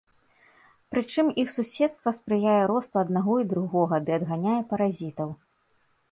Прычым, іх суседства спрыяе росту аднаго і другога ды адганяе паразітаў.